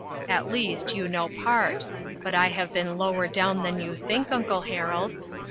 At least, you know part ; but I have been lower down than you think, uncle Harold.